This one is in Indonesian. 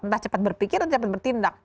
entah cepat berpikir dan cepat bertindak